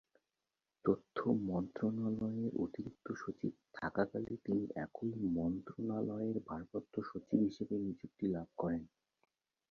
তথ্য মন্ত্রণালয়ের অতিরিক্ত সচিব থাকা কালে তিনি একই মন্ত্রণালয়ের ভারপ্রাপ্ত সচিব হিসেবে নিযুক্তি লাভ করেন।